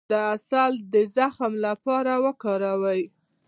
د عسل د زخم لپاره وکاروئ